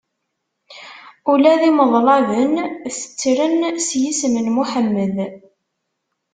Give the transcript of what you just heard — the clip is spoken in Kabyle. Ula d imeḍlaben tettren s yisem n Muḥemmed.